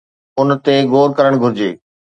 ان تي غور ڪرڻ گهرجي.